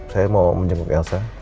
saya mau menjemput elsa